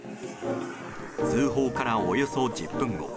通報からおよそ１０分後。